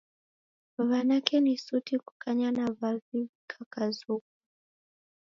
W'anake ni suti kukanya na w'avi w'ikakazoghua.